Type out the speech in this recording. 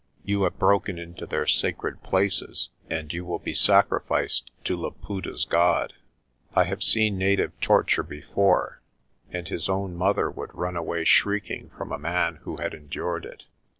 You have broken into their sacred places and you will be sacrificed to Laputa's god. I have seen native torture before, and his own mother would run away shriek ing from a man who had endured it."